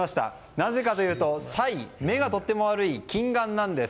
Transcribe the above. なぜかというと目がとても悪い近眼なんです。